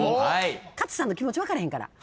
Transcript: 勝さんの気持ち分かれへんから。